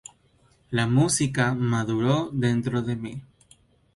La música maduro dentro de mí.